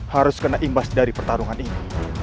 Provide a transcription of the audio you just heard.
harus kena imbas dari pertarungan ini